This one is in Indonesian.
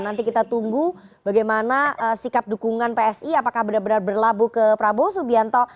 nanti kita tunggu bagaimana sikap dukungan psi apakah benar benar berlabuh ke prabowo subianto